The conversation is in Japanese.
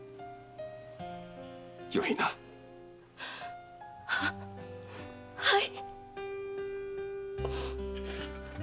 よいな？ははい！